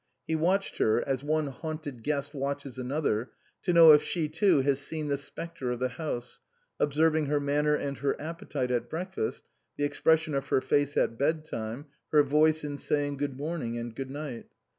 He watched her, as one haunted guest watches another, to know if she too has seen the spectre of the house, observing her manner and her appetite at breakfast, the expression of her face at bed time, her voice in saying good morning and good night.